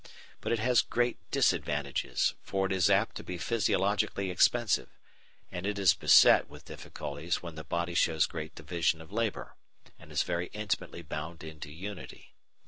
But it has great disadvantages, for it is apt to be physiologically expensive, and it is beset with difficulties when the body shows great division of labour, and is very intimately bound into unity.